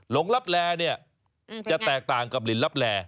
หลงลับแลจะแตกต่างกับลินลับแล